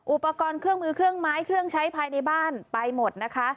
อุปกรณ์เครื่องมือเครื่องไม้เครื่องใช้ภายในบ้านไปหมดนะคะ